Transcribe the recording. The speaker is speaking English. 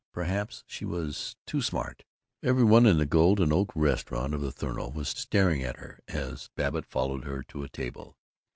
Perhaps she was too smart. Every one in the gold and oak restaurant of the Thornleigh was staring at her as Babbitt followed her to a table.